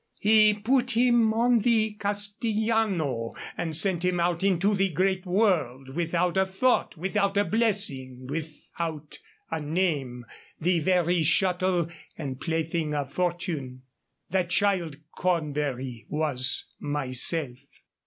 He put him on the Castillano and sent him out into the great world, without a thought, without a blessing, without a name the very shuttle and plaything of fortune. That child, Cornbury, was myself."